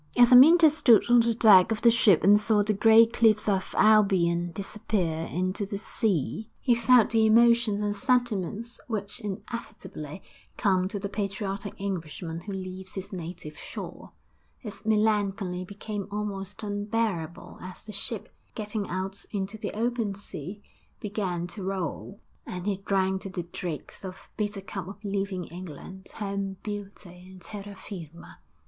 As Amyntas stood on the deck of the ship and saw the grey cliffs of Albion disappear into the sea, he felt the emotions and sentiments which inevitably come to the patriotic Englishman who leaves his native shore; his melancholy became almost unbearable as the ship, getting out into the open sea, began to roll, and he drank to the dregs the bitter cup of leaving England, home, beauty and terra firma.